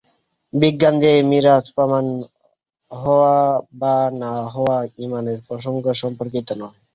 বিজ্ঞান দিয়ে মিরাজ প্রমাণ হওয়া বা না হওয়া ইমানের সঙ্গে সম্পর্কিত নয়।